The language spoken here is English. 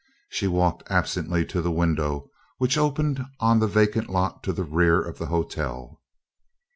She walked absently to the window which opened on the vacant lot to the rear of the hotel.